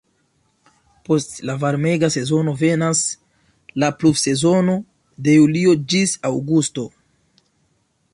Post la varmega sezono venas la "pluvsezono" de julio ĝis aŭgusto.